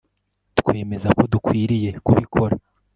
twemeza ko dukwiriye kubikora